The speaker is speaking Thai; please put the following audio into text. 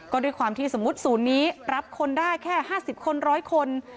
ก็ด้วยความที่สมมุติศูนย์นี้รับคนได้แค่๕๐คน๑๐๐คน